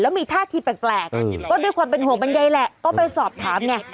มีท่าทีแปลกก็ด้วยความเป็นห่วงบรรยายแหละก็ไปสอบถามไง